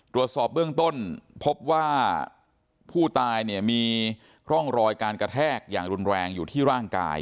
ตรวจสอบเบื้องต้นพบว่าผู้ตายเนี่ยมีร่องรอยการกระแทกอย่างรุนแรงอยู่ที่ร่างกาย